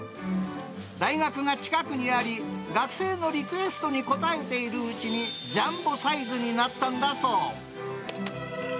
大学が近くにあり、学生のリクエストに応えているうちに、ジャンボサイズになったんだそう。